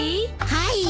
はい。